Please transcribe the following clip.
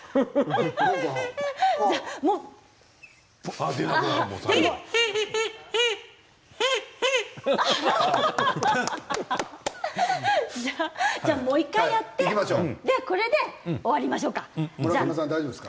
巻き葉笛の音じゃあ、もう１回やってこれで終わりましょうか。